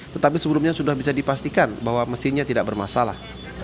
tetapi sebelumnya sudah bisa dipastikan bahwa mesinnya tidak bermasalah